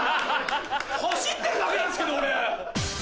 走ってるだけなんですけど俺。